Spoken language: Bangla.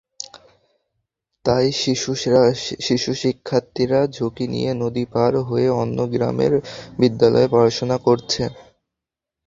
তাই শিশুশিক্ষার্থীরা ঝুঁকি নিয়ে নদী পার হয়ে অন্য গ্রামের বিদ্যালয়ে পড়াশোনা করছে।